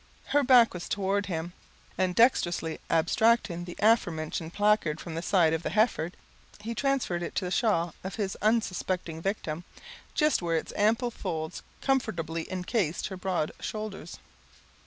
Her back was towards him, and dexterously abstracting the aforementioned placard from the side of the heifer, he transferred it to the shawl of his unsuspecting victim, just where its ample folds comfortably encased her broad shoulders.